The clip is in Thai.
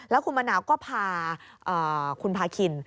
แล้วคุณมะนาวก็พาคุณพาคิน